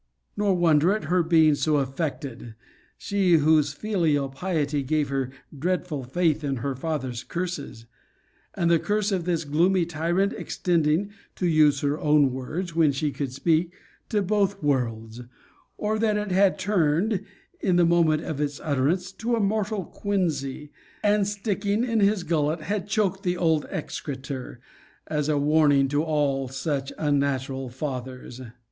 Nor wonder at her being so affected; she, whose filial piety gave her dreadful faith in a father's curses; and the curse of this gloomy tyrant extending (to use her own words, when she could speak) to both worlds O that it had turned, in the moment of its utterance, to a mortal quinsy, and, sticking in his gullet, had choked the old execrator, as a warning to all such unnatural fathers!